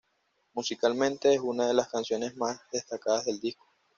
Musicalmente, es una de las canciones más destacadas del disco.